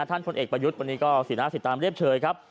ท่านผลเอกประยุทธ์วันนี้ก็สินาศิษย์ตามเรียบเฉยครับ